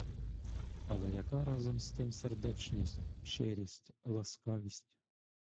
Але яка разом з тим сердечність, щирість, ласкавість.